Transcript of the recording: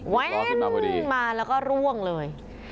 เว้นมาแล้วก็ร่วงเลย